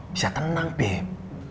bisa tenang beb